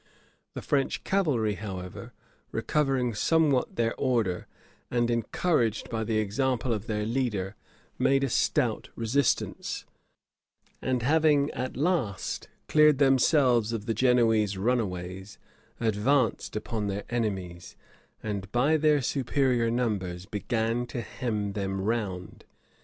The French cavalry, however, recovering somewhat their order, and encouraged by the example of their leader, made a stout resistance; and having at last cleared themselves of the Genoese runaways, advanced upon their enemies, and by their superior numbers began to hem them round.